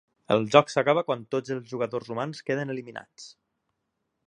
El joc s'acaba quan tots els jugadors humans queden eliminats.